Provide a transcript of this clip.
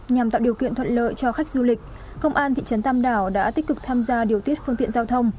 nhằm tạo điều kiện thuận lợi cho khách du lịch công an thị trấn tam đảo đã tích cực tham gia điều tiết phương tiện giao thông